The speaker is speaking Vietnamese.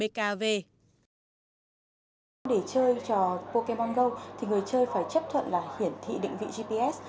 để chơi cho pokemon go thì người chơi phải chấp thuận hiển thị định vị gps